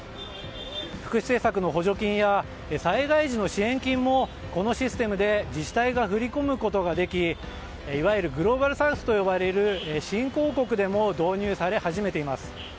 福祉政策の補助金や災害時の支援金もこのシステムで自治体が振り込むことができいわゆるグローバルサウスと呼ばれる新興国でも導入され始めています。